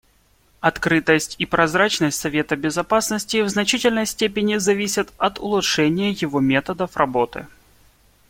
Открытость и прозрачность Совета Безопасности в значительной степени зависят от улучшения его методов работы.